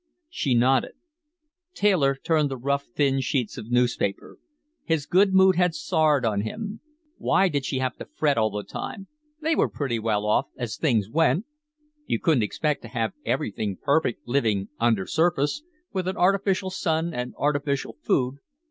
She nodded. Taylor turned the rough, thin sheets of newspaper. His good mood had soured on him. Why did she have to fret all the time? They were pretty well off, as things went. You couldn't expect to have everything perfect, living undersurface, with an artificial sun and artificial food.